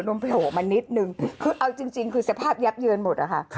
โผล่มานิดนึงคือเอาจริงคือสภาพยับเยินหมดอะค่ะ